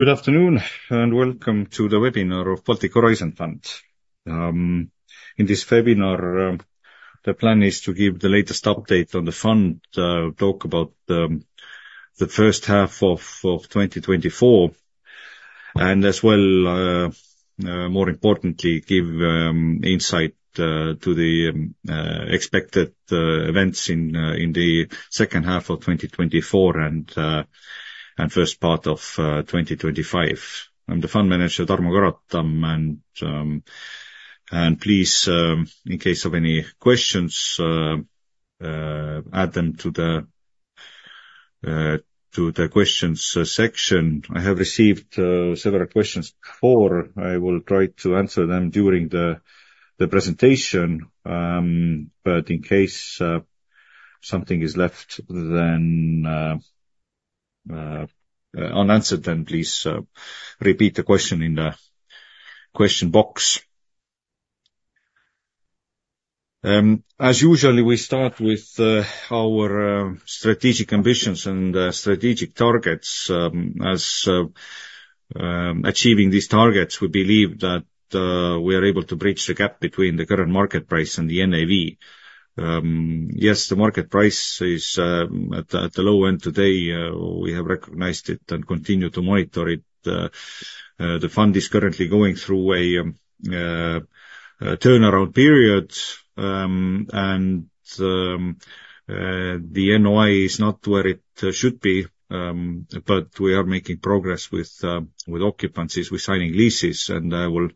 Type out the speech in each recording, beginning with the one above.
Good afternoon, and welcome to the webinar of Baltic Horizon Fund. In this webinar, the plan is to give the latest update on the fund, talk about the first half of twenty twenty-four. And as well, more importantly, give insight to the expected events in the second half of twenty twenty-four, and first part of twenty twenty-five. I'm the fund manager, Tarmo Karotam, and please, in case of any questions, add them to the questions section. I have received several questions before. I will try to answer them during the presentation, but in case something is left unanswered, then please repeat the question in the question box. As usually, we start with our strategic ambitions and strategic targets, as achieving these targets, we believe that we are able to bridge the gap between the current market price and the NAV. Yes, the market price is at the low end today, we have recognized it and continue to monitor it. The fund is currently going through a turnaround period, and the NOI is not where it should be, but we are making progress with occupancies, with signing leases, and I will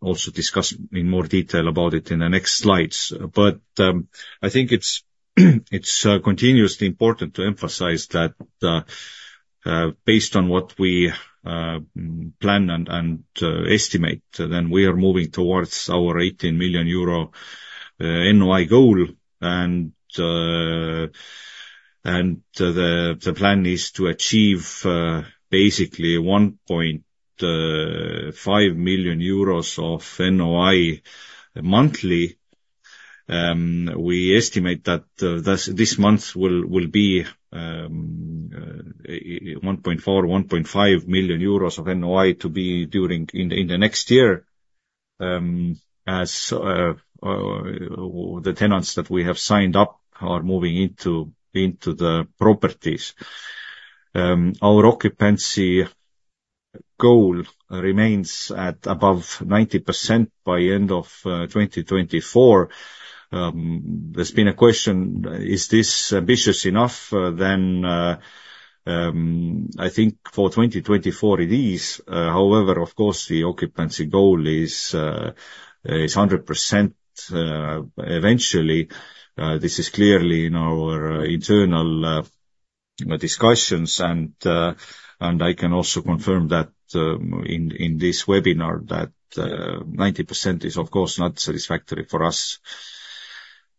also discuss in more detail about it in the next slides. I think it's continuously important to emphasize that based on what we plan and estimate, then we are moving towards our 18 million euro NOI goal. The plan is to achieve basically 1.5 million EUR of NOI monthly. We estimate that this month will be 1.4-1.5 million euros of NOI to be during in the next year, as the tenants that we have signed up are moving into the properties. Our occupancy goal remains at above 90% by end of 2024. There's been a question: is this ambitious enough? Then I think for 2024 it is. However, of course, the occupancy goal is 100% eventually. This is clearly in our internal discussions, and I can also confirm that, in this webinar, that 90% is, of course, not satisfactory for us.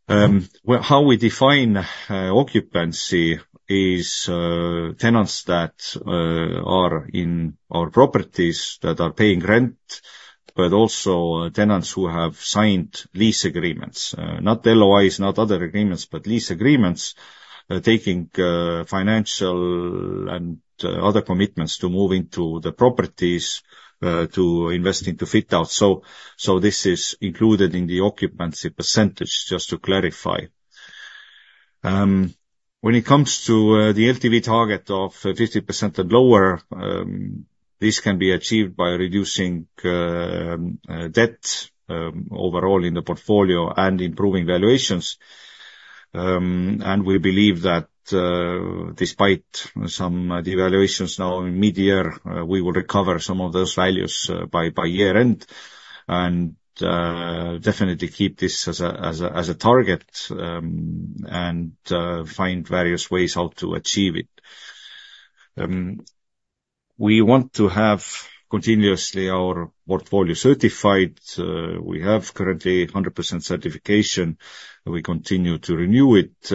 Well, how we define occupancy is tenants that are in our properties, that are paying rent, but also tenants who have signed lease agreements, not LOIs, not other agreements, but lease agreements, taking financial and other commitments to move into the properties, to investing to fit out. So this is included in the occupancy percentage, just to clarify. When it comes to the LTV target of 50% and lower, this can be achieved by reducing debt overall in the portfolio and improving valuations. And we believe that, despite some devaluations now in midyear, we will recover some of those values by year-end, and definitely keep this as a target, and find various ways how to achieve it. We want to have continuously our portfolio certified. We have currently 100% certification, and we continue to renew it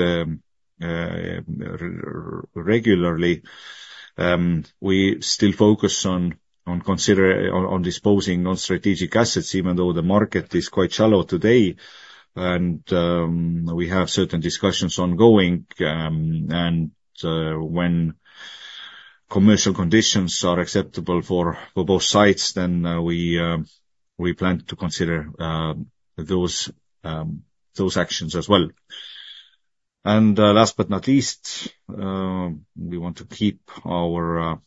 regularly. We still focus on disposing non-strategic assets, even though the market is quite shallow today, and we have certain discussions ongoing. And when commercial conditions are acceptable for both sides, then we plan to consider those actions as well. Last but not least, we want to keep our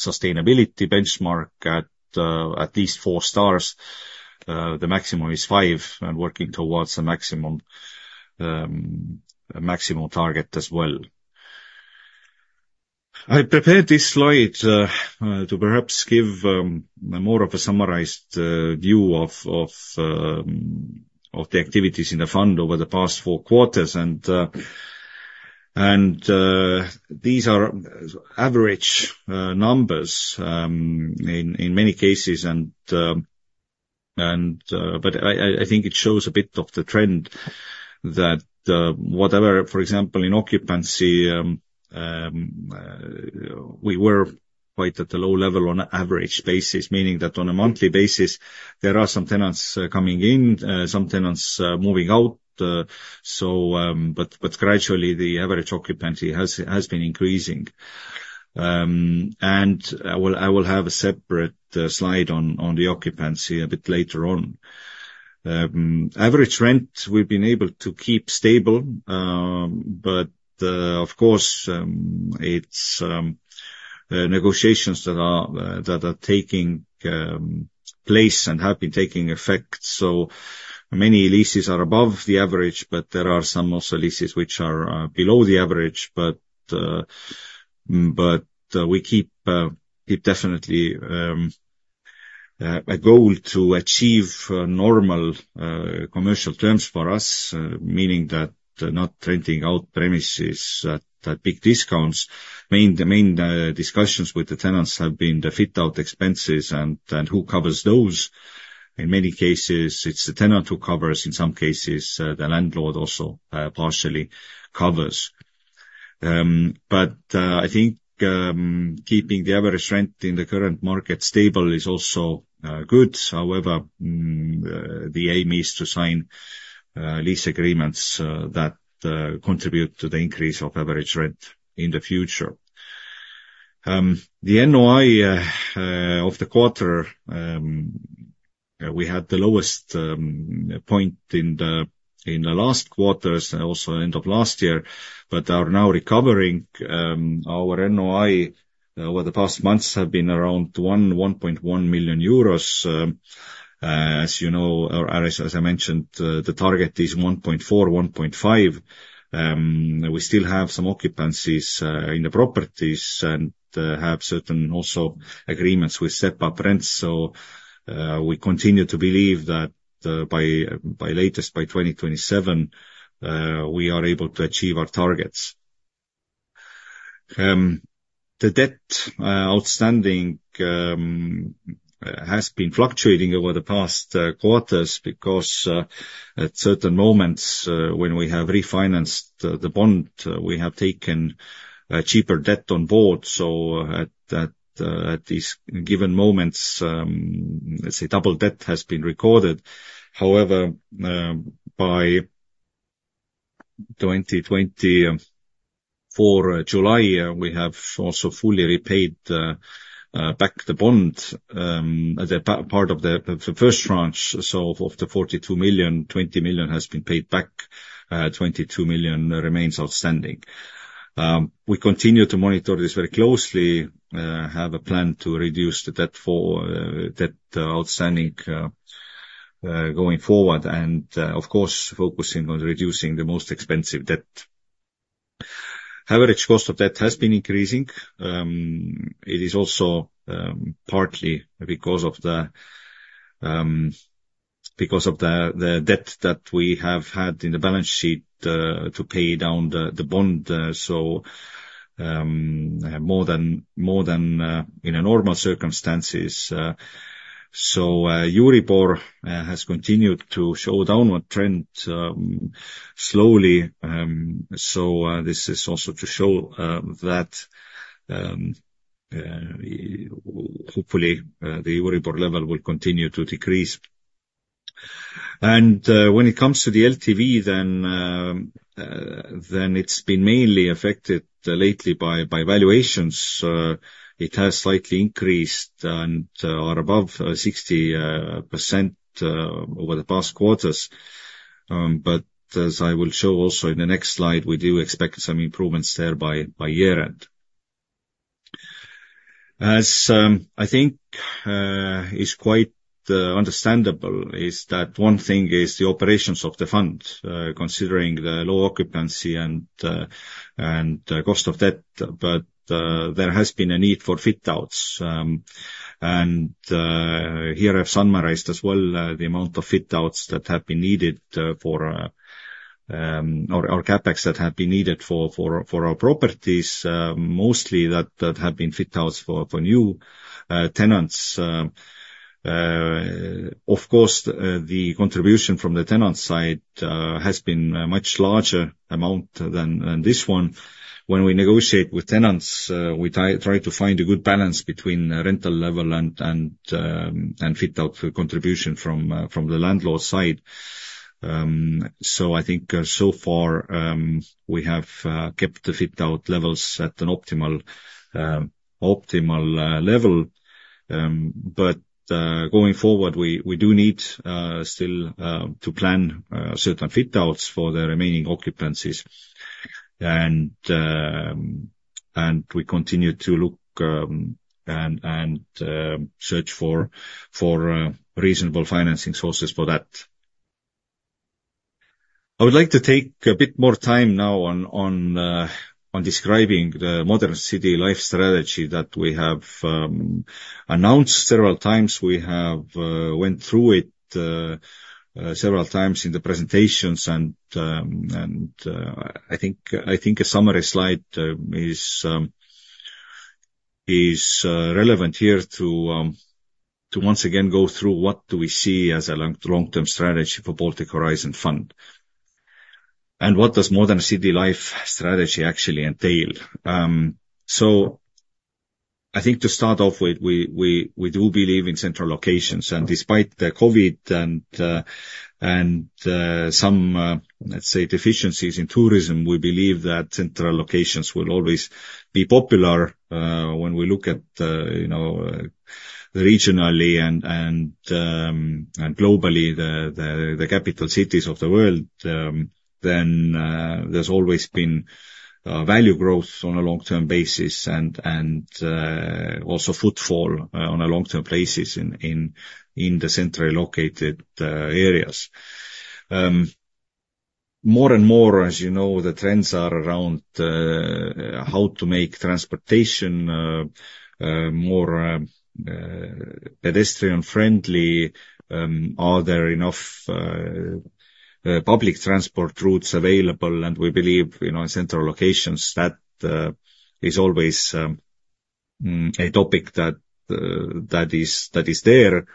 sustainability benchmark at least four stars. The maximum is five, and working towards a maximum target as well. I prepared this slide to perhaps give more of a summarized view of the activities in the fund over the past four quarters. These are average numbers in many cases, but I think it shows a bit of the trend that, whatever, for example, in occupancy, we were quite at a low level on an average basis, meaning that on a monthly basis, there are some tenants coming in, some tenants moving out, but gradually, the average occupancy has been increasing, and I will have a separate slide on the occupancy a bit later on. Average rent we've been able to keep stable, but of course it's negotiations that are taking place and have been taking effect, so many leases are above the average, but there are some also leases which are below the average but we keep it definitely a goal to achieve normal commercial terms for us, meaning that not renting out premises at big discounts. The main discussions with the tenants have been the fit-out expenses and who covers those. In many cases it's the tenant who covers, in some cases the landlord also partially covers, but I think keeping the average rent in the current market stable is also good. However, the aim is to sign lease agreements that contribute to the increase of average rent in the future. The NOI of the quarter we had the lowest point in the last quarters, and also end of last year, but are now recovering. Our NOI over the past months have been around 1.1 million euros. As you know, or as I mentioned, the target is 1.4-1.5 million EUR. We still have some vacancies in the properties and have certain also agreements with step-up rents. So, we continue to believe that by latest by 2027 we are able to achieve our targets. The debt outstanding has been fluctuating over the past quarters because at certain moments when we have refinanced the bond, we have taken a cheaper debt on board. So at these given moments, let's say, double debt has been recorded. However, by 2024 July, we have also fully repaid back the bond as a part of the first tranche. So of the 42 million, 20 million has been paid back, 22 million remains outstanding. We continue to monitor this very closely, have a plan to reduce the debt for debt outstanding going forward, and of course, focusing on reducing the most expensive debt. Average cost of debt has been increasing. It is also partly because of the debt that we have had in the balance sheet to pay down the bond, so more than in normal circumstances. Euribor has continued to show downward trend slowly, so this is also to show that hopefully the Euribor level will continue to decrease, and when it comes to the LTV, then it is been mainly affected lately by valuations. It has slightly increased and are above 60% over the past quarters, but as I will show also in the next slide, we do expect some improvements there by year-end. As I think is quite understandable, that one thing is the operations of the fund, considering the low occupancy and cost of debt, but there has been a need for fit-outs. And here, I've summarized as well the amount of fit-outs that have been needed for our CapEx that have been needed for our properties, mostly that have been fit-outs for new tenants. Of course, the contribution from the tenant side has been a much larger amount than this one. When we negotiate with tenants, we try to find a good balance between rental level and fit-out contribution from the landlord side. So I think so far, we have kept the fit-out levels at an optimal level. But going forward, we do need still to plan certain fit-outs for the remaining occupancies. And we continue to look and search for reasonable financing sources for that. I would like to take a bit more time now on describing the Modern City Life strategy that we have announced several times. We have went through it several times in the presentations, and I think a summary slide is relevant here to once again go through what do we see as a long-term strategy for Baltic Horizon Fund, and what does Modern City Life strategy actually entail? I think to start off with, we do believe in central locations, and despite the COVID and some, let's say, deficiencies in tourism, we believe that central locations will always be popular. When we look at, you know, regionally and globally, the capital cities of the world, then there's always been value growth on a long-term basis and also footfall on a long-term basis in the centrally located areas. More and more, as you know, the trends are around how to make transportation more pedestrian friendly. Are there enough public transport routes available? And we believe, you know, in central locations, that is always a topic that is there,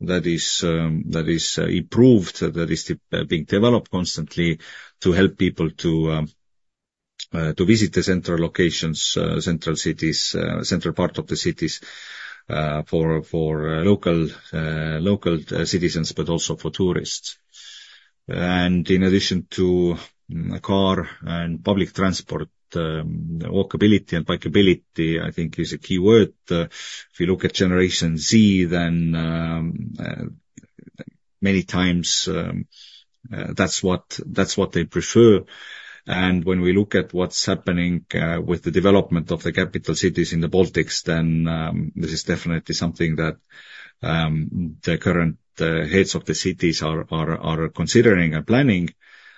that is improved, that is being developed constantly to help people to visit the central locations, central cities, central part of the cities, for local citizens, but also for tourists. In addition to a car and public transport, walkability and bikability, I think, is a key word. If you look at Generation Z, then many times that's what they prefer. When we look at what's happening with the development of the capital cities in the Baltics, then this is definitely something that the current heads of the cities are considering and planning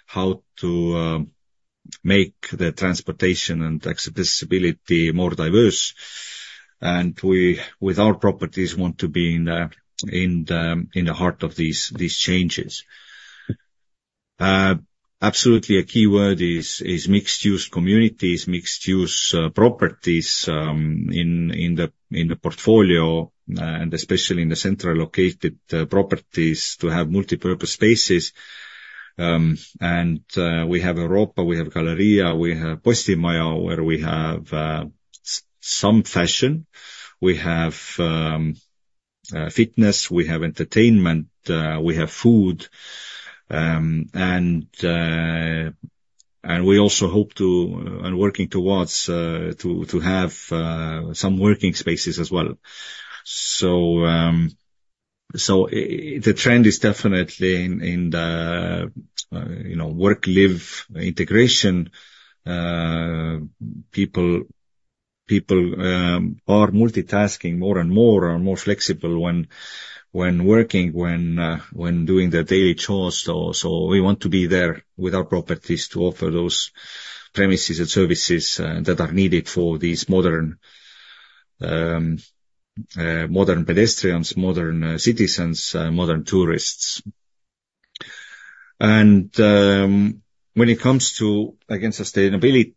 how to make the transportation and accessibility more diverse. We, with our properties, want to be in the heart of these changes. Absolutely, a key word is mixed-use communities, mixed-use properties in the portfolio, and especially in the central located properties to have multipurpose spaces. We have Europa, we have Galerija, we have Postimaja, where we have some fashion, we have fitness, we have entertainment, we have food, and we also hope to and working towards to have some working spaces as well. So the trend is definitely in the, you know, work-live integration. People are multitasking more and more, are more flexible when working, when doing their daily chores. We want to be there with our properties to offer those premises and services that are needed for these modern pedestrians, modern citizens, modern tourists. When it comes to, again, sustainability,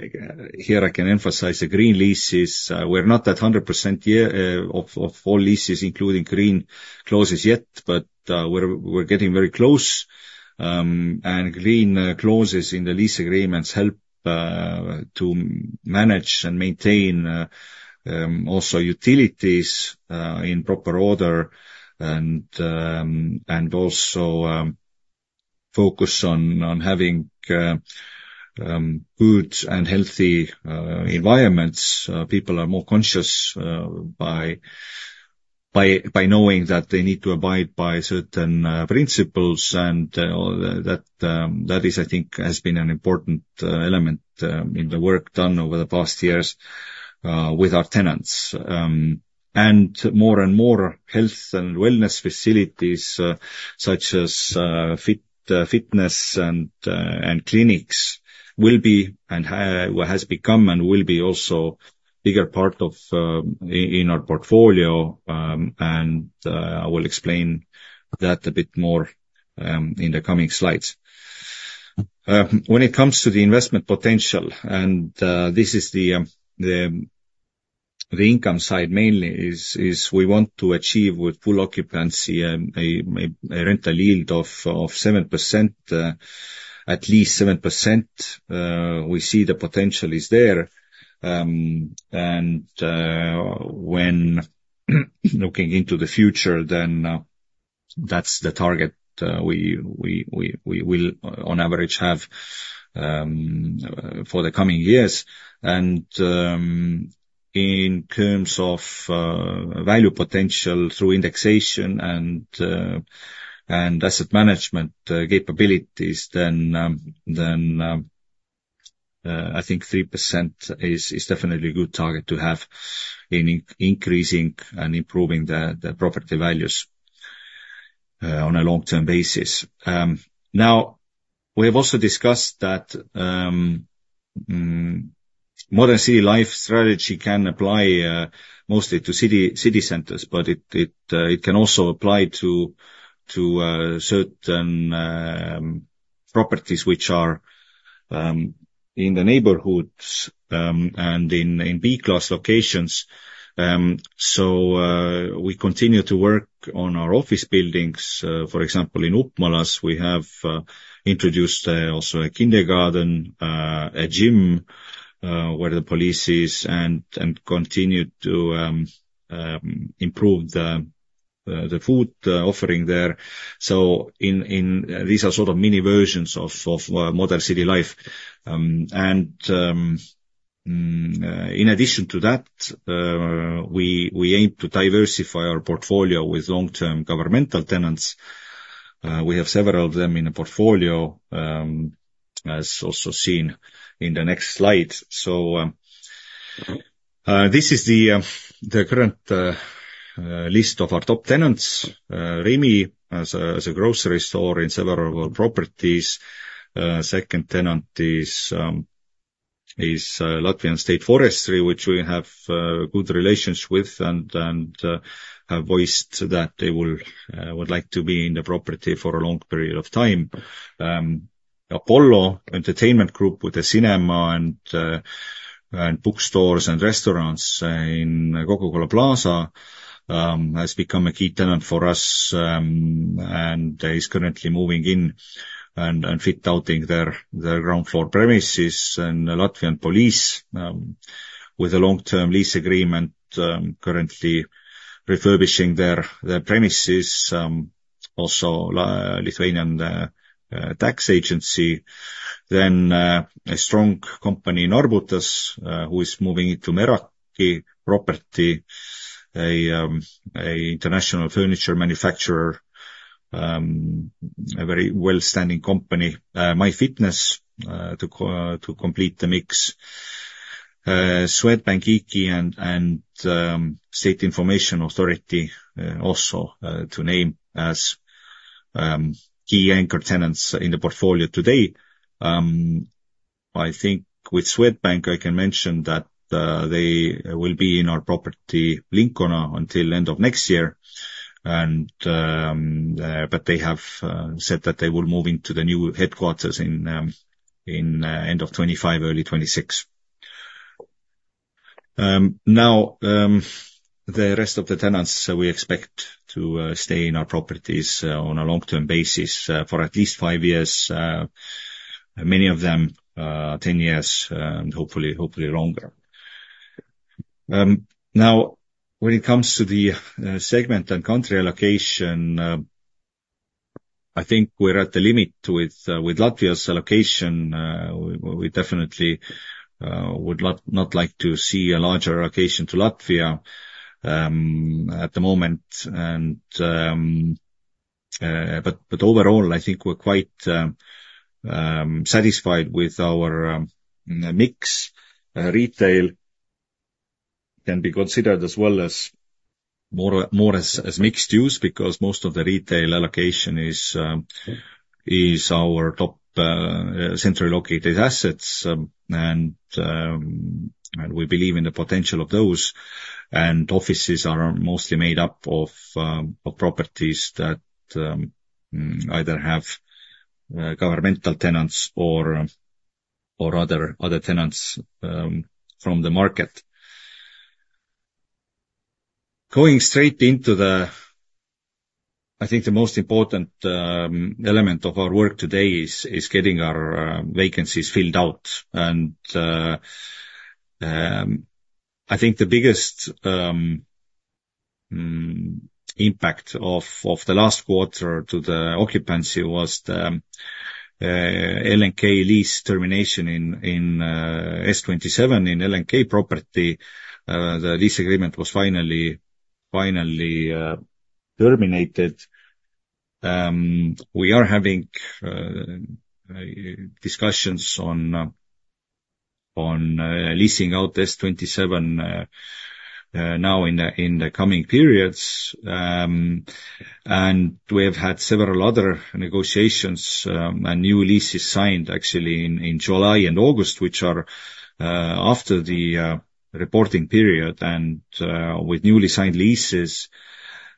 here I can emphasize the green leases. We're not at 100% yet of all leases, including green clauses, but we're getting very close. Green clauses in the lease agreements help to manage and maintain also utilities in proper order and also focus on having good and healthy environments. People are more conscious by knowing that they need to abide by certain principles, and that is, I think, has been an important element in the work done over the past years with our tenants. And more and more health and wellness facilities such as fitness and clinics will be and has become and will be also bigger part of in our portfolio. And I will explain that a bit more in the coming slides. When it comes to the investment potential, and this is the income side, mainly, is we want to achieve with full occupancy a rental yield of 7%, at least 7%. We see the potential is there, and when looking into the future, then that's the target we will on average have for the coming years and in terms of value potential through indexation and asset management capabilities, then I think 3% is definitely a good target to have in increasing and improving the property values on a long-term basis. Now, we have also discussed that Modern City Life strategy can apply mostly to city centers, but it can also apply to certain properties which are in the neighborhoods and in B-class locations, so we continue to work on our office buildings. For example, in Upmalas, we have introduced also a kindergarten, a gym where the police is, and continue to improve the food offering there. So in these are sort of mini versions of Modern City Life. And in addition to that, we aim to diversify our portfolio with long-term governmental tenants. We have several of them in the portfolio, as also seen in the next slide. So this is the current list of our top tenants. Rimi, as a grocery store in several properties. Second tenant is Latvia's State Forests, which we have good relations with and have voiced that they would like to be in the property for a long period of time. Apollo Entertainment Group, with the cinema and bookstores and restaurants in Coca-Cola Plaza, has become a key tenant for us and is currently moving in and fitting out their ground floor premises. Latvian Police, with a long-term lease agreement, currently refurbishing their premises. Also, Lithuanian Tax Agency. Then, a strong company, Narbutas, who is moving into Meraki property, a international furniture manufacturer, a very well-standing company. MyFitness, to complete the mix. Swedbank, IKI, and State Information System Authority, also to name as key anchor tenants in the portfolio today. I think with Swedbank, I can mention that they will be in our property Lincona until end of next year, and but they have said that they will move into the new headquarters in end of 2025, early 2026. Now, the rest of the tenants, we expect to stay in our properties on a long-term basis for at least five years, many of them 10 years, and hopefully longer. Now, when it comes to the segment and country allocation, I think we're at the limit with Latvia's allocation. We definitely would not like to see a larger allocation to Latvia at the moment. But overall, I think we're quite satisfied with our mix. Retail can be considered as well as more as mixed use, because most of the retail allocation is our top centrally located assets. And we believe in the potential of those. And offices are mostly made up of properties that either have governmental tenants or other tenants from the market. Going straight into the... I think the most important element of our work today is getting our vacancies filled out. I think the biggest impact of the last quarter to the occupancy was the LNK lease termination in S27 in LNK property. The lease agreement was finally terminated. We are having discussions on leasing out S27 now in the coming periods. We have had several other negotiations and new leases signed actually in July and August, which are after the reporting period. With newly signed leases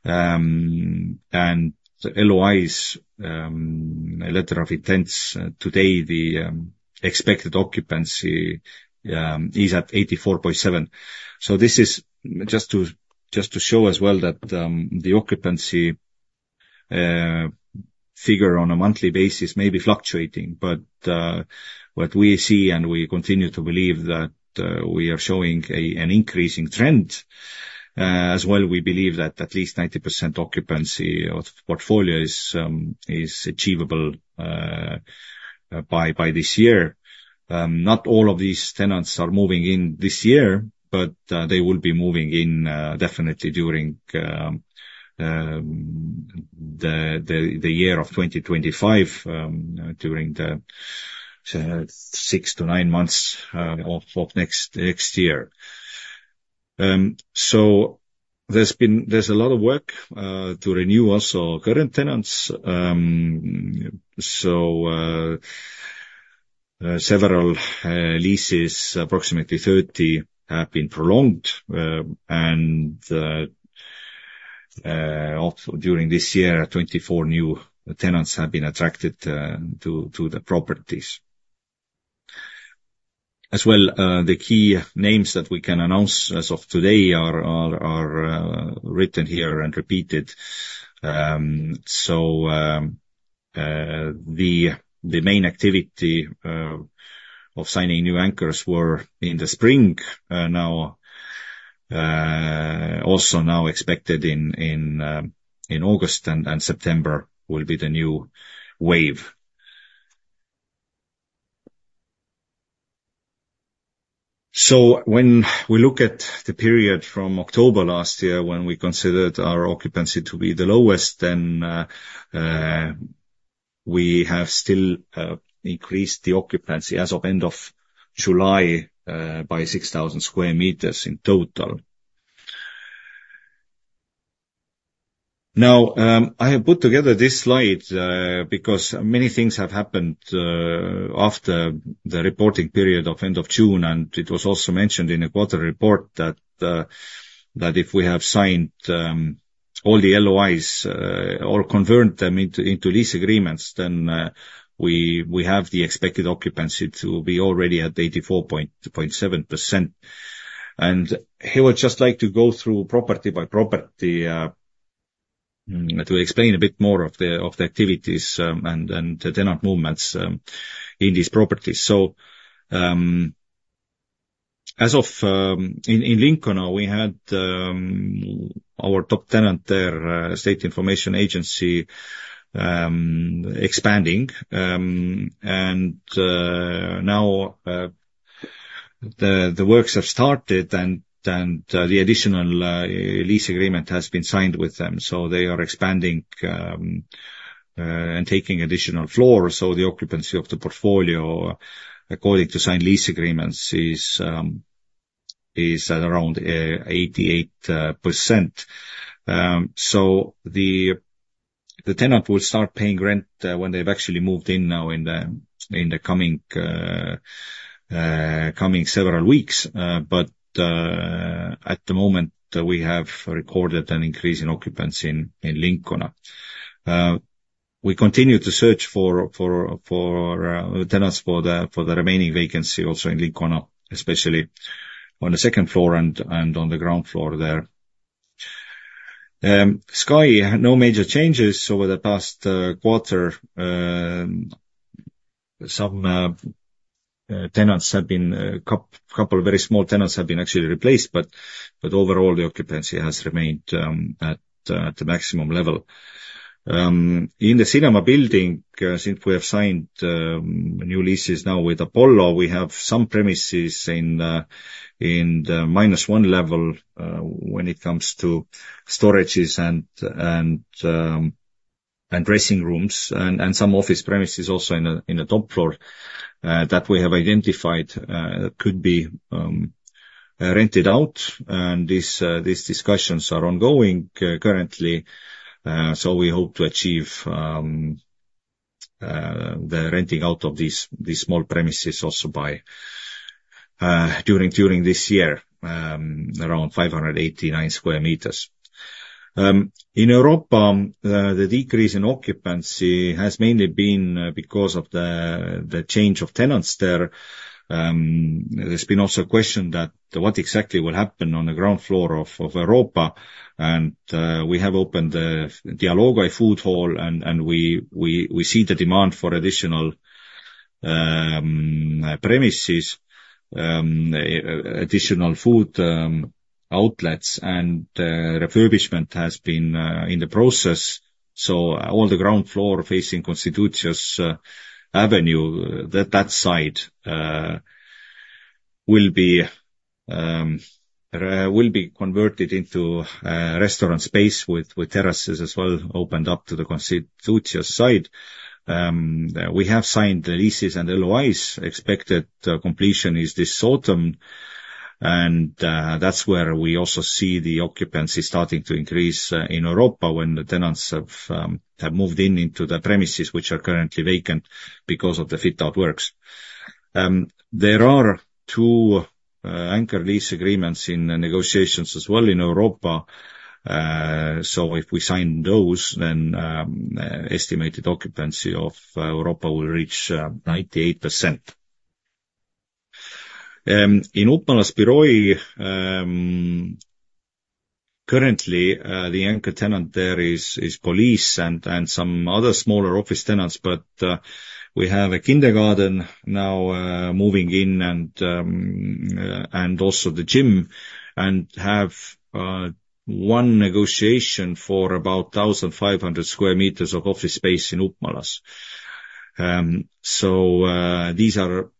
and the LOIs, letters of intent, today the expected occupancy is at 84.7%. This is just to show as well that the occupancy figure on a monthly basis may be fluctuating. But what we see and we continue to believe that we are showing an increasing trend. As well, we believe that at least 90% occupancy of portfolio is achievable by this year. Not all of these tenants are moving in this year, but they will be moving in definitely during the year of 2025, during the six to nine months of next year. So there's a lot of work to renew also current tenants. So several leases, approximately 30, have been prolonged. And also during this year, 24 new tenants have been attracted to the properties. As well, the key names that we can announce as of today are written here and repeated. The main activity of signing new anchors were in the spring. Now, also now expected in August and September will be the new wave. When we look at the period from October last year, when we considered our occupancy to be the lowest, then we have still increased the occupancy as of end of July by 6,000 square meters in total. Now, I have put together this slide because many things have happened after the reporting period of end of June, and it was also mentioned in a quarter report that if we have signed all the LOIs or converted them into lease agreements, then we have the expected occupancy to be already at 84.7%. And here I would just like to go through property by property to explain a bit more of the activities and the tenant movements in these properties. So, as of... In Lincona, we had our top tenant there, Information System Authority, expanding. And now the works have started, and the additional lease agreement has been signed with them. So they are expanding and taking additional floor. So the occupancy of the portfolio, according to signed lease agreements, is at around 88%. So the tenant will start paying rent when they've actually moved in now in the coming several weeks. But at the moment, we have recorded an increase in occupancy in Lincona. We continue to search for tenants for the remaining vacancy also in Lincona, especially on the second floor and on the ground floor there. Sky, no major changes over the past quarter. Some tenants have been replaced, a couple of very small tenants have been actually replaced, but overall, the occupancy has remained at the maximum level. In the cinema building, since we have signed new leases now with Apollo, we have some premises in the minus one level, when it comes to storages and dressing rooms, and some office premises also in a top floor, that we have identified could be rented out. These discussions are ongoing currently. So we hope to achieve the renting out of these small premises also by during this year, around 589 square meters. In Europa, the decrease in occupancy has mainly been because of the change of tenants there. There's been also a question that what exactly will happen on the ground floor of Europa, and we have opened the Dialogai Food Hall and we see the demand for additional premises, additional food outlets and refurbishment has been in the process. So all the ground floor facing Konstitucijos Avenue, that side, will be converted into a restaurant space with terraces as well, opened up to the Konstitucijos side. We have signed the leases and LOIs. Expected completion is this autumn, and that's where we also see the occupancy starting to increase in Europa when the tenants have moved into the premises, which are currently vacant because of the fit-out works. There are two anchor lease agreements in the negotiations as well in Europa. So if we sign those, then estimated occupancy of Europa will reach 98%. In Upmalas Biroji, currently the anchor tenant there is police and some other smaller office tenants, but we have a kindergarten now moving in and also the gym, and have one negotiation for about 1,500 square meters of office space in Upmalas. So these are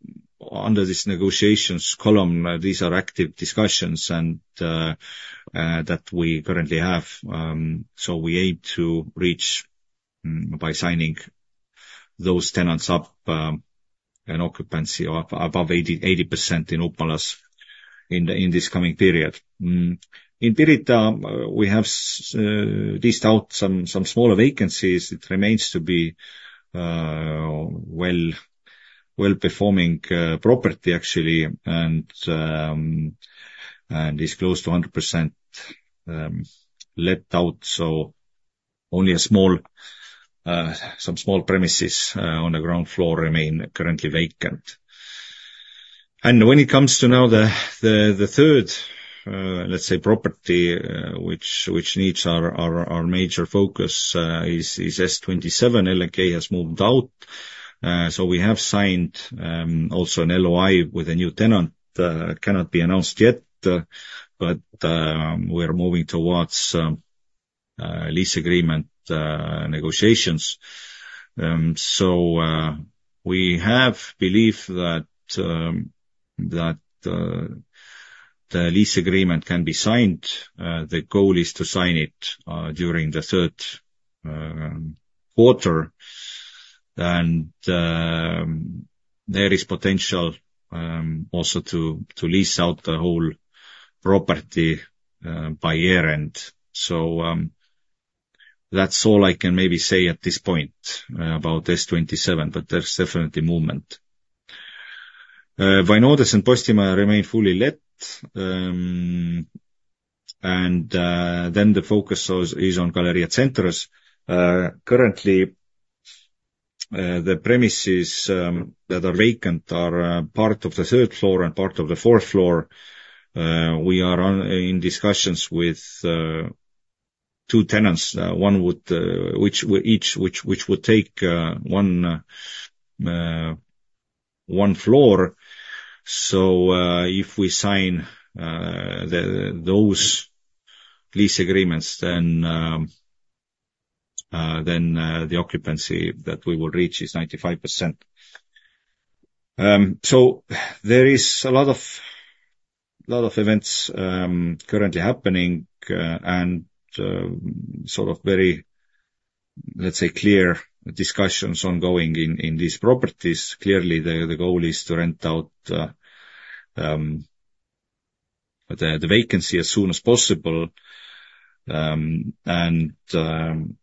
under this negotiations column. These are active discussions and that we currently have. So we aim to reach by signing those tenants up an occupancy of above 80% in Upmalas in this coming period. In Tirgoņu, we have leased out some smaller vacancies. It remains to be well-performing property, actually, and is close to 100% let out, so only a small some small premises on the ground floor remain currently vacant. When it comes to now the third let's say property which needs our major focus is S27. LNK has moved out. So we have signed also an LOI with a new tenant cannot be announced yet but we are moving towards lease agreement negotiations. So we have belief that the lease agreement can be signed. The goal is to sign it during the third quarter. And there is potential also to lease out the whole property by year-end. That's all I can maybe say at this point about S27, but there's definitely movement. Vainodes 1 and Postimaja remain fully let. Then the focus is on Galerija Centrs. Currently, the premises that are vacant are part of the third floor and part of the fourth floor. We are in discussions with two tenants. One would each take one floor. If we sign those lease agreements, then the occupancy that we will reach is 95%. There is a lot of events currently happening, and sort of very, let's say, clear discussions ongoing in these properties. Clearly, the goal is to rent out the vacancy as soon as possible and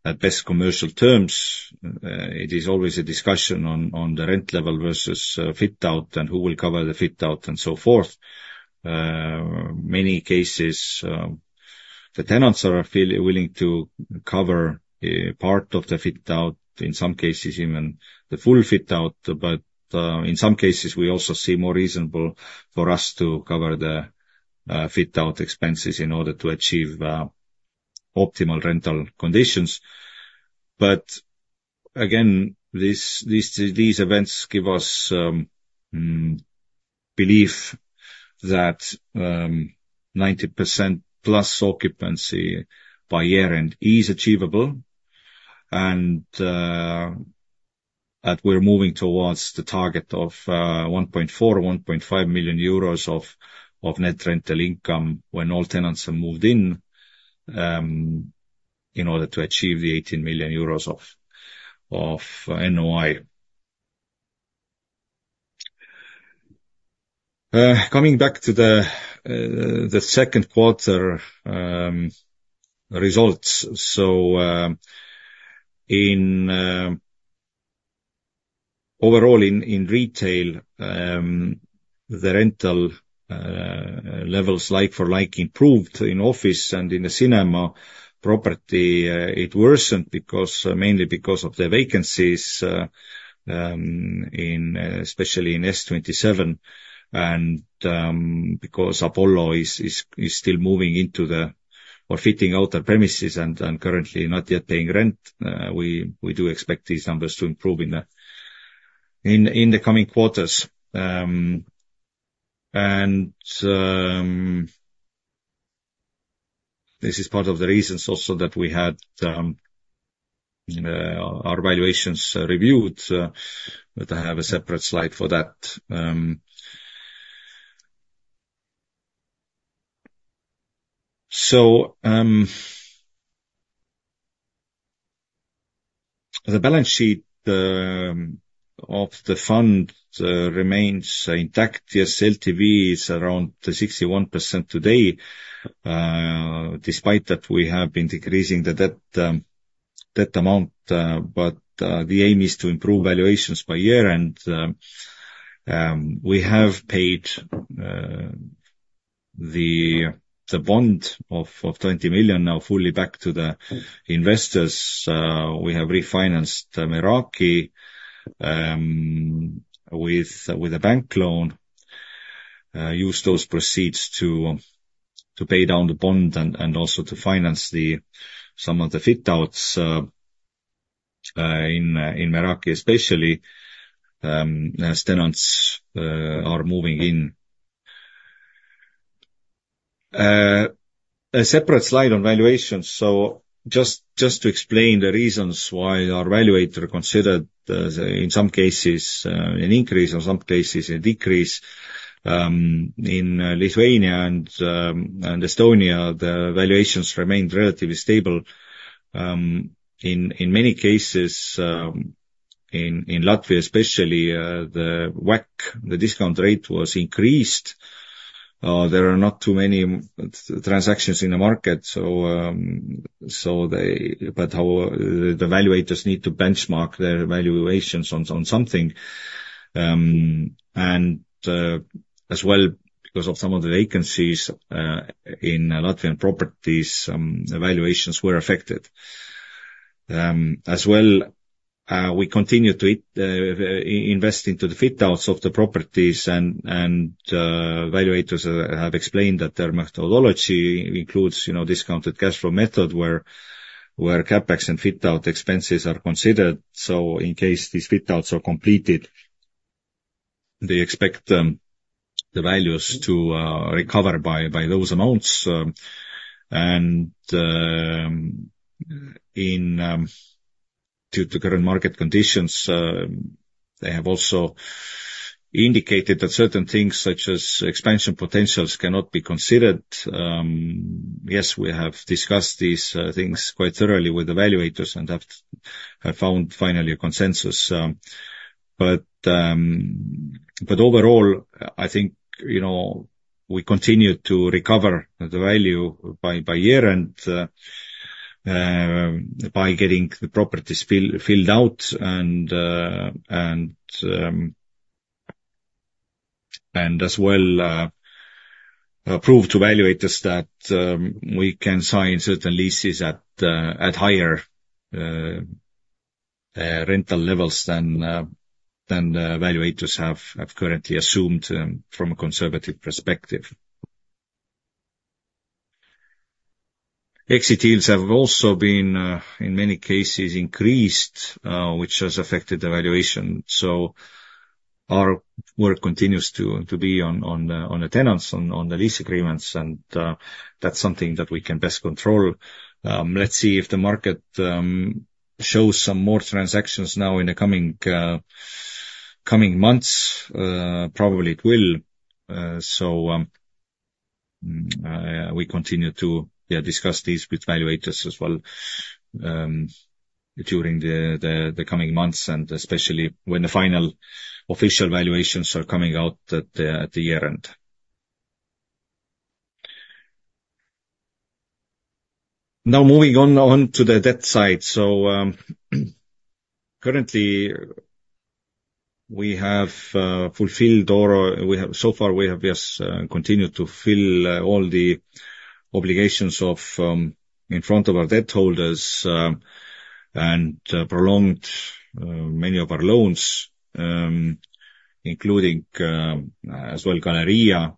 at best commercial terms. It is always a discussion on the rent level versus fit-out, and who will cover the fit-out, and so forth. In many cases, the tenants are willing to cover part of the fit-out, in some cases, even the full fit-out. But in some cases, we also see more reasonable for us to cover the fit-out expenses in order to achieve optimal rental conditions. But again, these events give us belief that 90% plus occupancy by year-end is achievable, and that we're moving towards the target of 1.4-1.5 million euros of net rental income when all tenants are moved in, in order to achieve the 18 million euros of NOI. Coming back to the second quarter results. So, overall, in retail, the rental levels like for like improved in office and in the cinema property, it worsened because, mainly because of the vacancies, in especially in S27, and because Apollo is still moving into the or fitting out the premises and currently not yet paying rent. We do expect these numbers to improve in the coming quarters, and this is part of the reasons also that we had our valuations reviewed, but I have a separate slide for that, so the balance sheet of the fund remains intact. Yes, LTV is around 61% today, despite that we have been decreasing the debt amount, but the aim is to improve valuations by year-end. We have paid the bond of 20 million now fully back to the investors. We have refinanced Meraki with a bank loan, use those proceeds to pay down the bond and also to finance some of the fit-outs in Meraki, especially as tenants are moving in. A separate slide on valuations. So just to explain the reasons why our valuer considered, in some cases, an increase, in some cases, a decrease. In Lithuania and Estonia, the valuations remained relatively stable. In many cases, in Latvia, especially, the WACC, the discount rate was increased. There are not too many transactions in the market, so but our valuers need to benchmark their valuations on something. And as well, because of some of the vacancies in Latvian properties, the valuations were affected. As well, we continue to invest into the fit-outs of the properties and evaluators have explained that their methodology includes, you know, discounted cash flow method, where CapEx and fit-out expenses are considered, so in case these fit-outs are completed, they expect the values to recover by those amounts, and due to current market conditions, they have also indicated that certain things such as expansion potentials cannot be considered. Yes, we have discussed these things quite thoroughly with evaluators and have found finally a consensus. But overall, I think, you know, we continue to recover the value by year and by getting the properties filled out and as well prove to evaluators that we can sign certain leases at higher rental levels than the evaluators have currently assumed from a conservative perspective. Exit deals have also been in many cases increased, which has affected the valuation. So our work continues to be on the tenants, on the lease agreements, and that's something that we can best control. Let's see if the market shows some more transactions now in the coming months. Probably it will. We continue to discuss this with evaluators as well during the coming months and especially when the final official valuations are coming out at the year-end. Now, moving on to the debt side. Currently, we have fulfilled or we have so far just continued to fulfill all the obligations in front of our debt holders and prolonged many of our loans, including as well Galerija.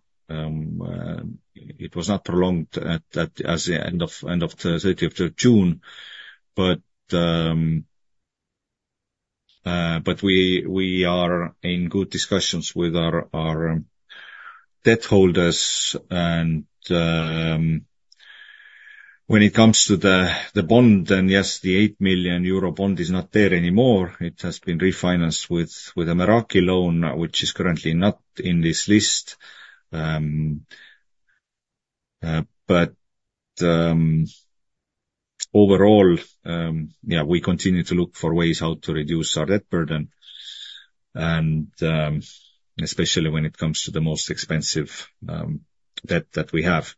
It was not prolonged at the end of the 30th of June, but we are in good discussions with our debt holders. When it comes to the bond, then yes, the 8 million euro bond is not there anymore. It has been refinanced with a Meraki loan, which is currently not in this list, but overall, yeah, we continue to look for ways how to reduce our debt burden, and especially when it comes to the most expensive debt that we have.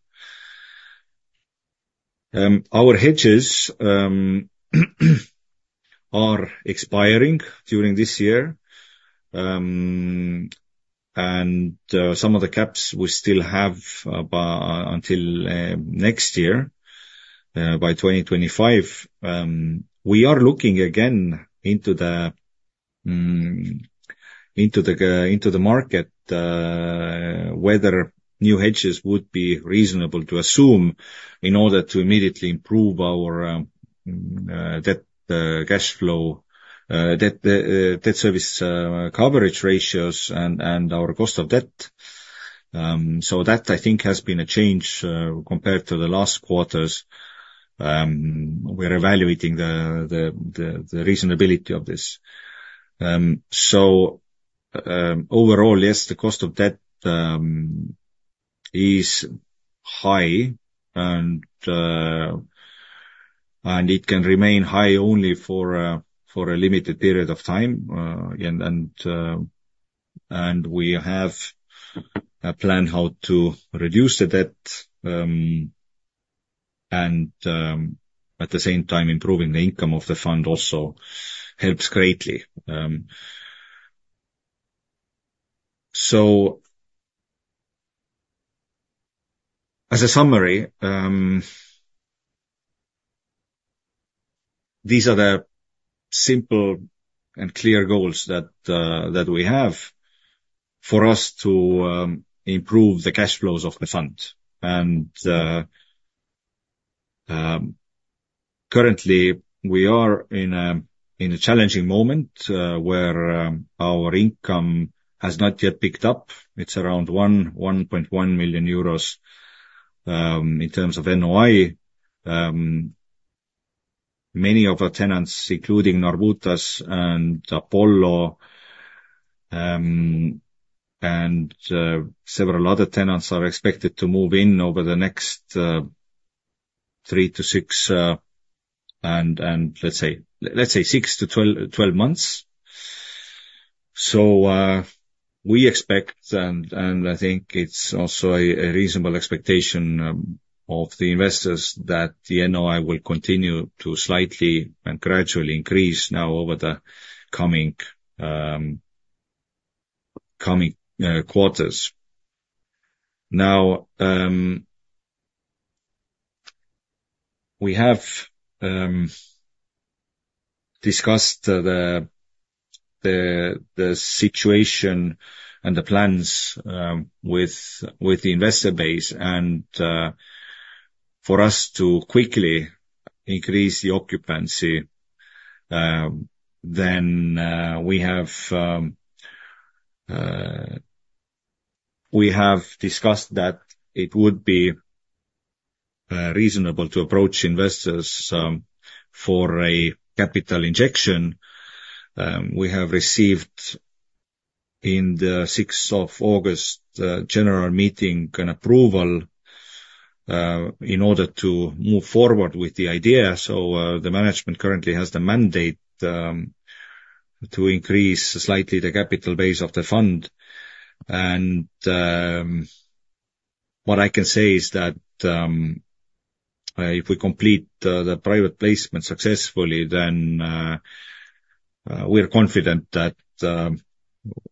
Our hedges are expiring during this year, and some of the caps we still have until next year by 2025. We are looking again into the market whether new hedges would be reasonable to assume in order to immediately improve our debt cash flow debt debt service coverage ratios and our cost of debt, so that, I think, has been a change compared to the last quarters. We're evaluating the reasonability of this. So, overall, yes, the cost of debt is high, and it can remain high only for a limited period of time, and we have a plan how to reduce the debt, and at the same time, improving the income of the fund also helps greatly. So as a summary, these are the simple and clear goals that we have for us to improve the cash flows of the fund, and currently, we are in a challenging moment, where our income has not yet picked up. It's around 1.1 million euros. In terms of NOI, many of our tenants, including Narbutas and Apollo, and several other tenants, are expected to move in over the next three to six, and let's say six to twelve months. So, we expect, and I think it's also a reasonable expectation of the investors, that the NOI will continue to slightly and gradually increase now over the coming quarters. Now, we have discussed the situation and the plans with the investor base and, for us to quickly increase the occupancy, then we have discussed that it would be reasonable to approach investors for a capital injection. We have received on the sixth of August the general meeting and approval in order to move forward with the idea. The management currently has the mandate to increase slightly the capital base of the fund. What I can say is that if we complete the private placement successfully, then we are confident that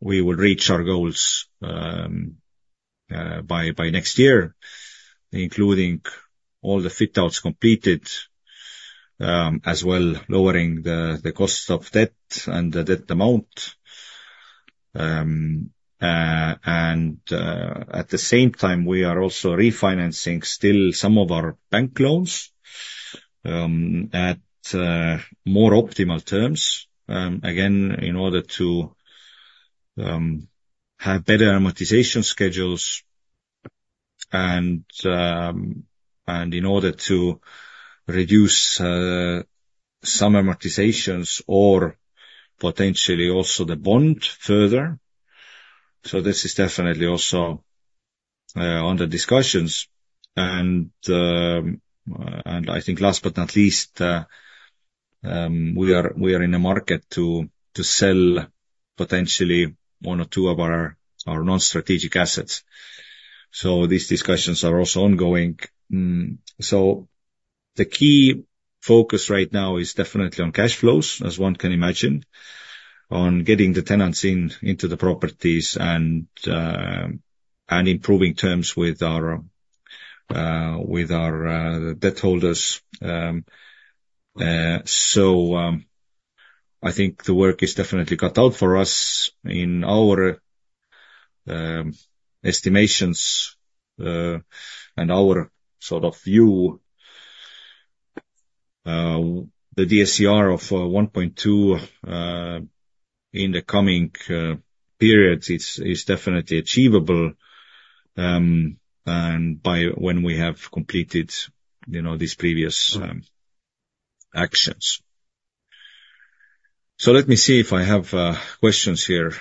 we will reach our goals by next year, including all the fit outs completed as well, lowering the cost of debt and the debt amount. At the same time, we are also refinancing still some of our bank loans at more optimal terms. Again, in order to have better amortization schedules and in order to reduce some amortizations or potentially also the bond further. So this is definitely also under discussions. And I think last but not least, we are in a market to sell potentially one or two of our non-strategic assets. So these discussions are also ongoing. So the key focus right now is definitely on cash flows, as one can imagine, on getting the tenants in into the properties and improving terms with our debt holders. So I think the work is definitely cut out for us. In our estimations and our sort of view, the DSCR of one point two in the coming periods is definitely achievable, and by when we have completed you know these previous actions. So let me see if I have questions here.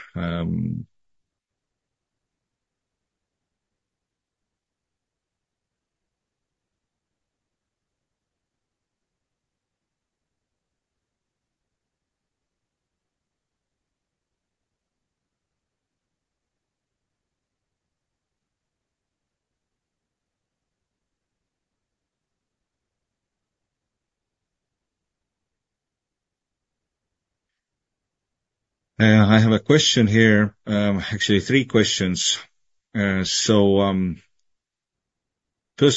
I have a question here, actually three questions. First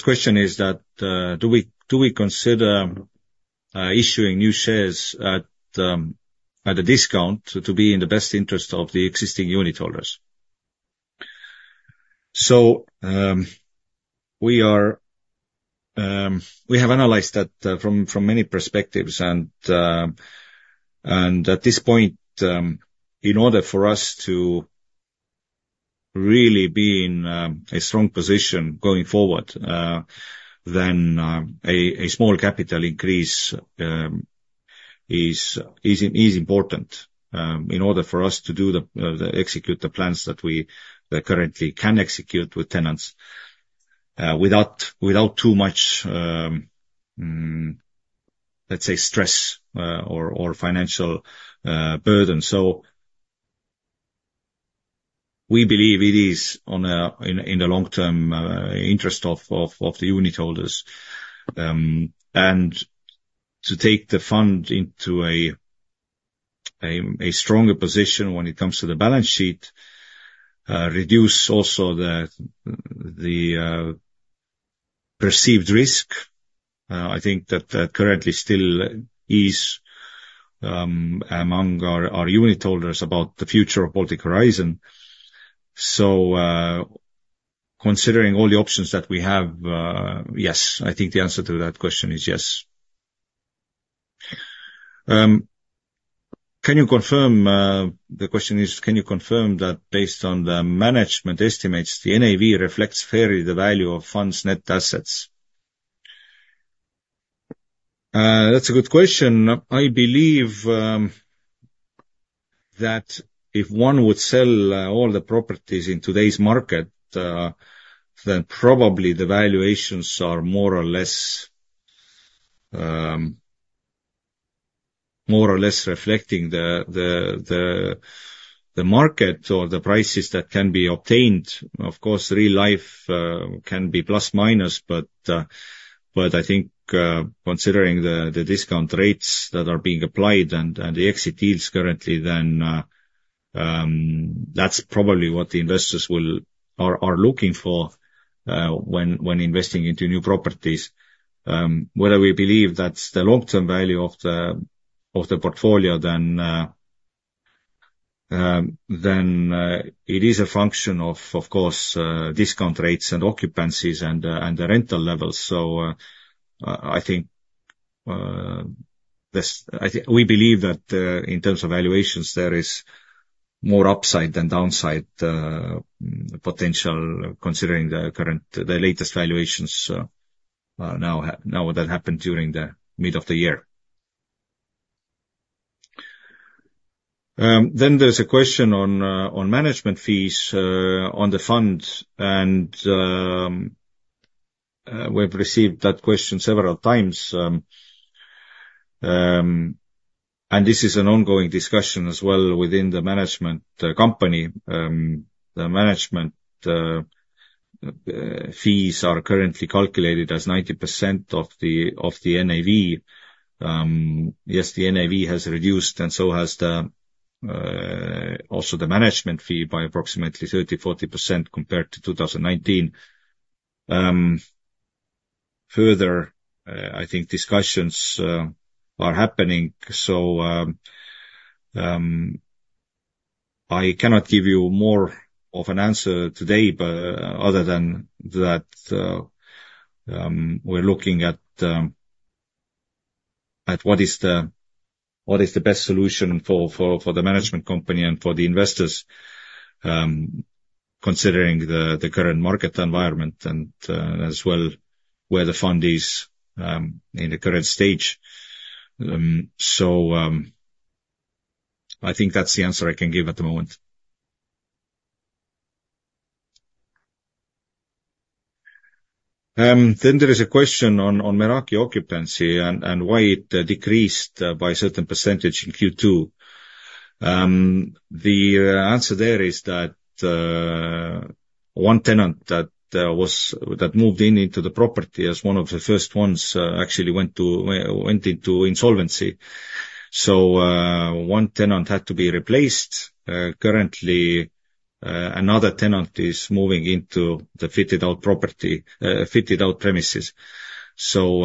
question is that, do we consider issuing new shares at a discount to be in the best interest of the existing unitholders? So, we have analyzed that from many perspectives, and at this point, in order for us to really be in a strong position going forward, then a small capital increase is important, in order for us to execute the plans that we currently can execute with tenants, without too much, let's say, stress or financial burden. We believe it is in the long-term interest of the unitholders, and to take the fund into a stronger position when it comes to the balance sheet, reduce also the perceived risk. I think that currently still is among our unitholders about the future of Baltic Horizon. Considering all the options that we have, yes, I think the answer to that question is yes. Can you confirm... The question is, can you confirm that based on the management estimates, the NAV reflects fairly the value of fund's net assets? That's a good question. I believe that if one would sell all the properties in today's market, then probably the valuations are more or less reflecting the market or the prices that can be obtained. Of course, real life can be plus, minus, but I think, considering the discount rates that are being applied and the exit deals currently, then that's probably what the investors are looking for when investing into new properties. Whether we believe that's the long-term value of the portfolio, then it is a function of, of course, discount rates and occupancies and the rental levels. I think we believe that in terms of valuations, there is more upside than downside potential, considering the current, the latest valuations, now that happened during the mid of the year. There is a question on management fees on the fund, and we've received that question several times, and this is an ongoing discussion as well within the management company. The management fees are currently calculated as 90% of the NAV. Yes, the NAV has reduced, and so has also the management fee by approximately 30-40% compared to 2019. Further, I think discussions are happening, so I cannot give you more of an answer today, but other than that, we're looking at what is the best solution for the management company and for the investors, considering the current market environment and, as well, where the fund is in the current stage. So I think that's the answer I can give at the moment. Then there is a question on Meraki occupancy and why it decreased by a certain percentage in Q2. The answer there is that one tenant that moved in into the property as one of the first ones actually went into insolvency. So one tenant had to be replaced. Currently, another tenant is moving into the fitted-out premises. So,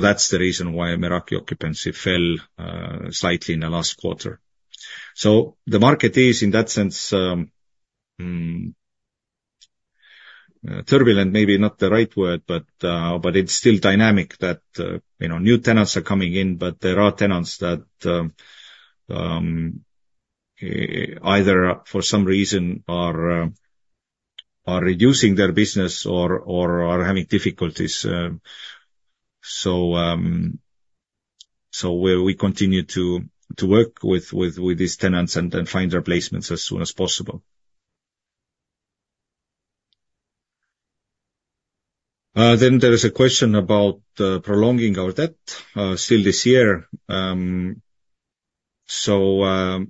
that's the reason why Meraki occupancy fell slightly in the last quarter. So the market is, in that sense, turbulent, maybe not the right word, but it's still dynamic that, you know, new tenants are coming in, but there are tenants that either for some reason are reducing their business or are having difficulties. So, we continue to work with these tenants and then find replacements as soon as possible. Then there is a question about prolonging our debt still this year. So,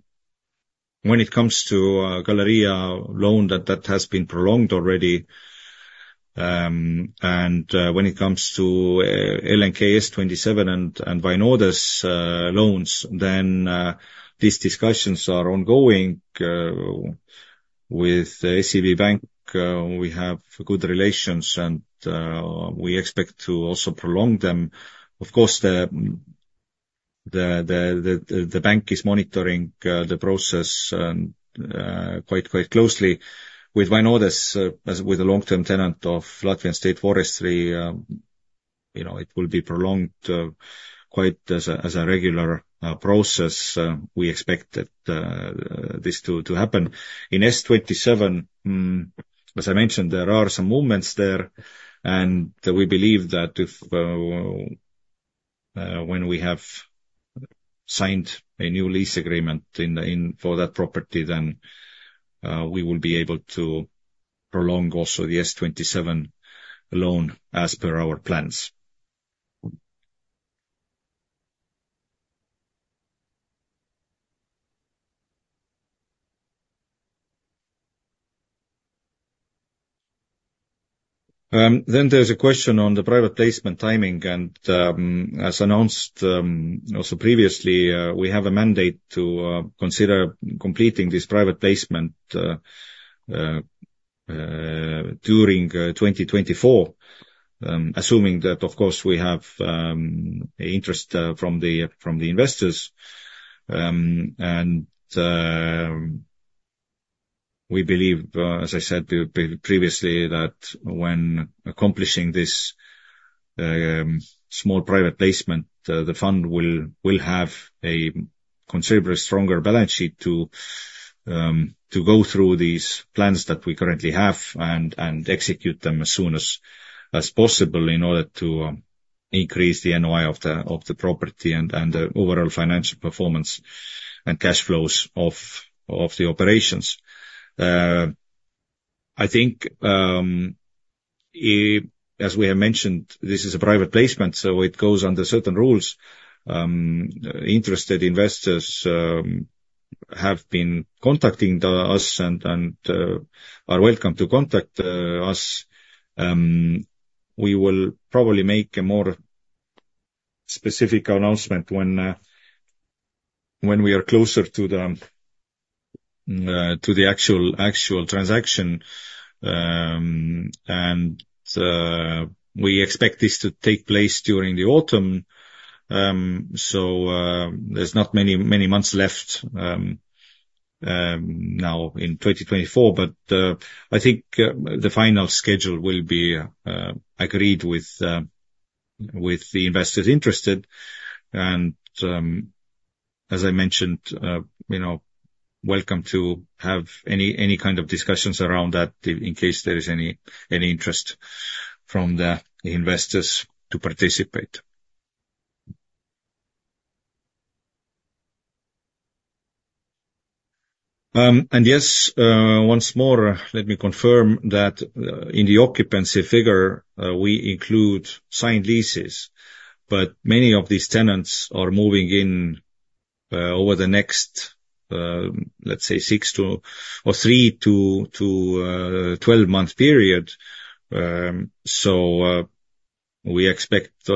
when it comes to Galerija loan, that has been prolonged already. When it comes to LNK S27 and Vainodes loans, then these discussions are ongoing. With SEB Bank, we have good relations, and we expect to also prolong them. Of course, the bank is monitoring the process quite closely. With Vainodes, as with the long-term tenant of Latvia's State Forests, you know, it will be prolonged quite as a regular process. We expect that this to happen. In S27, as I mentioned, there are some movements there, and we believe that if when we have signed a new lease agreement for that property, then we will be able to prolong also the S27 loan as per our plans. Then there's a question on the private placement timing, and, as announced, also previously, we have a mandate to consider completing this private placement during 2024. Assuming that, of course, we have interest from the investors, and we believe, as I said previously, that when accomplishing this small private placement, the fund will have a considerably stronger balance sheet to go through these plans that we currently have and execute them as soon as possible in order to increase the NOI of the property and the overall financial performance and cash flows of the operations. I think, as we have mentioned, this is a private placement, so it goes under certain rules. Interested investors have been contacting us and are welcome to contact us. We will probably make a more specific announcement when we are closer to the actual transaction. And we expect this to take place during the autumn. So, there's not many months left now in 2024. But I think the final schedule will be agreed with the investors interested. As I mentioned, you know, welcome to have any kind of discussions around that, in case there is any interest from the investors to participate. And yes, once more, let me confirm that in the occupancy figure we include signed leases. But many of these tenants are moving in over the next, let's say, 3-12-month period. So we expect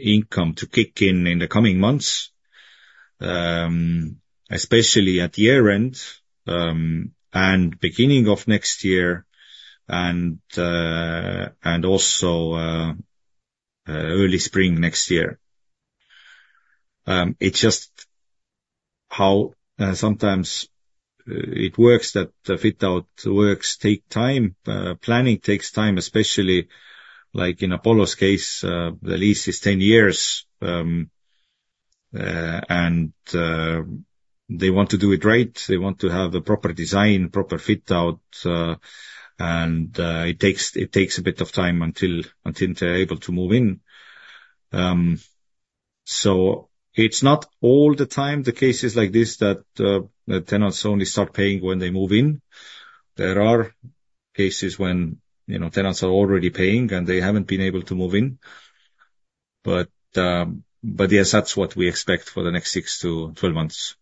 income to kick in in the coming months, especially at year-end, and beginning of next year, and also early spring next year. It's just how sometimes it works, that the fit-out works take time. Planning takes time, especially like in Apollo's case, the lease is 10 years. And they want to do it right. They want to have the proper design, proper fit-out, and it takes a bit of time until they're able to move in. So it's not all the time the cases like this, that the tenants only start paying when they move in. There are cases when, you know, tenants are already paying, and they haven't been able to move in. But, but yes, that's what we expect for the next six to 12 months.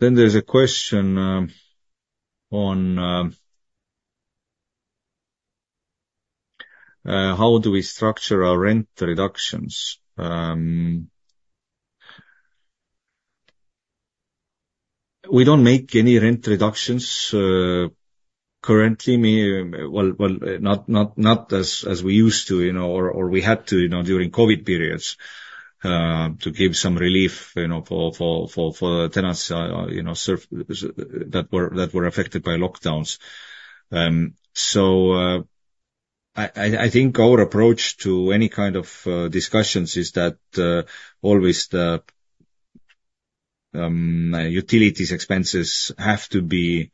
Then there's a question on how do we structure our rent reductions? We don't make any rent reductions currently. Well, well, not, not, not as, as we used to, you know, or, or we had to, you know, during COVID periods, to give some relief, you know, for, for, for, for the tenants, you know, sir, that were, that were affected by lockdowns. So, I think our approach to any kind of discussions is that always the utilities expenses have to be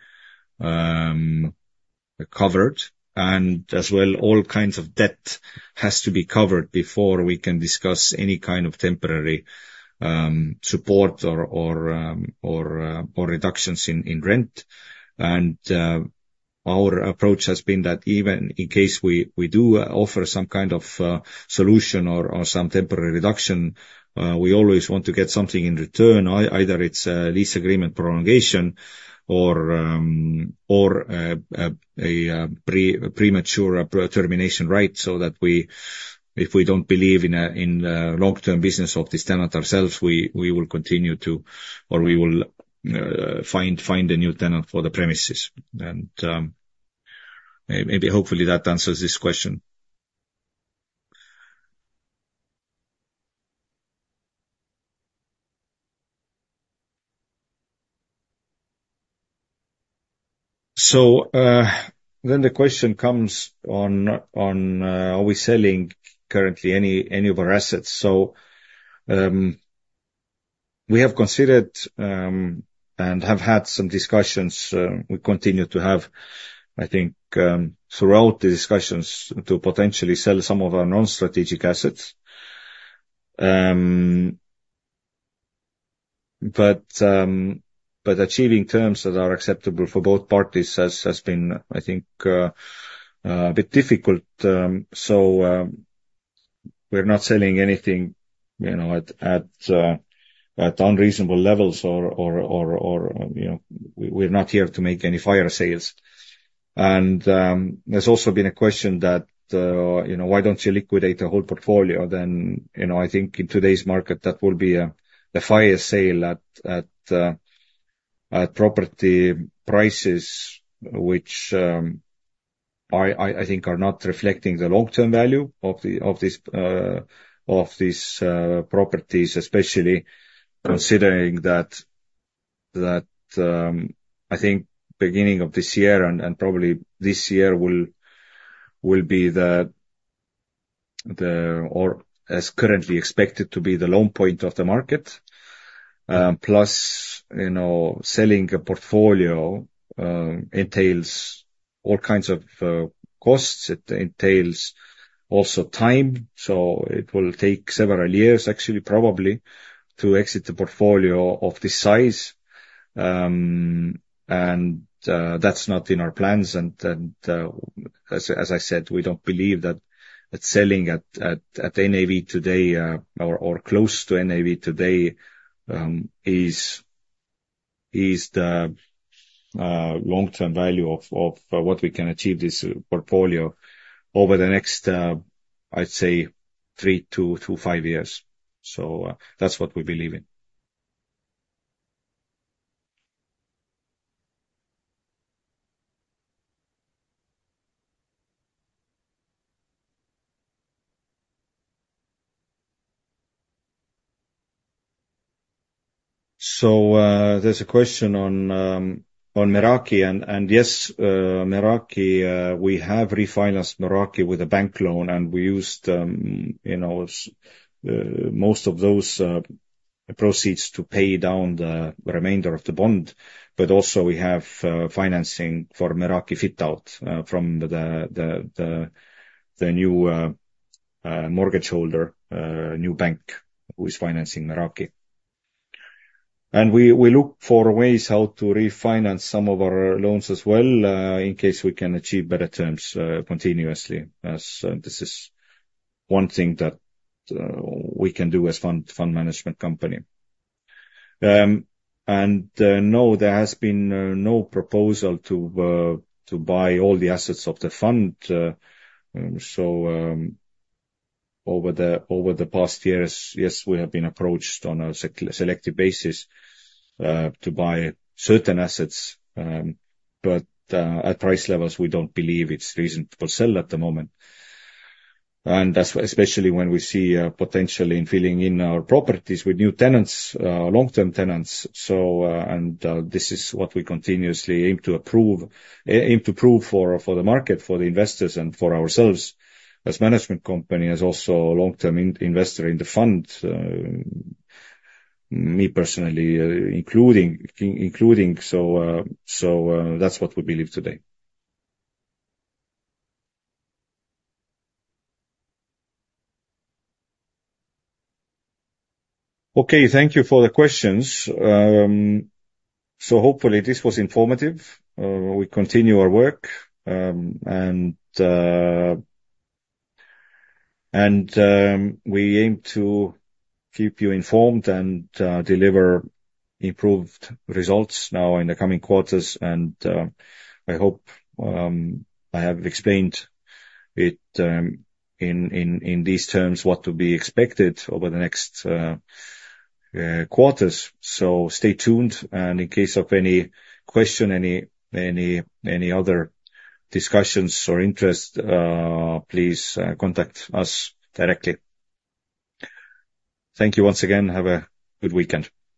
covered, and as well, all kinds of debt has to be covered before we can discuss any kind of temporary support or reductions in rent. And, our approach has been that even in case we do offer some kind of solution or some temporary reduction, we always want to get something in return. Either it's a lease agreement prolongation or a premature pre-termination right. So that if we don't believe in a long-term business of this tenant ourselves, we will find a new tenant for the premises. Maybe, hopefully, that answers this question. The question comes up, are we selling currently any of our assets? We have considered and have had some discussions we continue to have, I think, throughout the discussions to potentially sell some of our non-strategic assets, but achieving terms that are acceptable for both parties has been, I think, a bit difficult. We're not selling anything, you know, at unreasonable levels or you know, we're not here to make any fire sales, and there's also been a question that, you know, why don't you liquidate the whole portfolio then? You know, I think in today's market, that will be a fire sale at property prices, which I think are not reflecting the long-term value of these properties. Especially considering that I think beginning of this year and probably this year will be or as currently expected to be the low point of the market. Plus, you know, selling a portfolio entails all kinds of costs. It entails also time, so it will take several years, actually, probably, to exit the portfolio of this size. And that's not in our plans. And as I said, we don't believe that selling at NAV today or close to NAV today is-... is the long-term value of what we can achieve this portfolio over the next. I'd say three to five years. That's what we believe in. There's a question on Meraki, and yes. Meraki, we have refinanced Meraki with a bank loan, and we used, you know, most of those proceeds to pay down the remainder of the bond. But also we have financing for Meraki fit out from the new mortgage holder, new bank, who is financing Meraki. We look for ways how to refinance some of our loans as well, in case we can achieve better terms, continuously, as this is one thing that we can do as fund management company. And no, there has been no proposal to buy all the assets of the fund, so over the past years, yes, we have been approached on a selective basis to buy certain assets, but at price levels, we don't believe it's reasonable sell at the moment. And that's especially when we see potentially in filling in our properties with new tenants, long-term tenants. So and this is what we continuously aim to prove for the market, for the investors, and for ourselves as management company, as also a long-term investor in the fund, me personally, including, so that's what we believe today. Okay, thank you for the questions. So hopefully this was informative. We continue our work, and we aim to keep you informed and deliver improved results now in the coming quarters, and I hope I have explained it in these terms what to be expected over the next quarters. So stay tuned, and in case of any question, any other discussions or interest, please contact us directly. Thank you once again, have a good weekend.